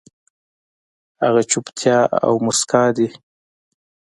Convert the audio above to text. هغه چوپتيا او موسکا دي